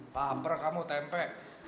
laper kamu tempe